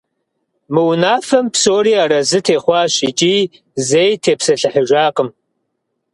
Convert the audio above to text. Мы унафэм псори аразы техъуащ икӏи зэи тепсэлъыхьыжакъым.